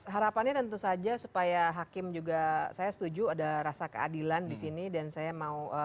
harapannya tentu saja supaya hakim juga saya setuju ada rasa keadilan di sini dan saya mau